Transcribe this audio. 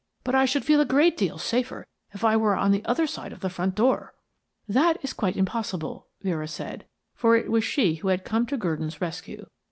But I should feel a great deal safer if I were on the other side of the front door." "That is quite impossible," Vera said, for it was she who had come to Gurdon's rescue.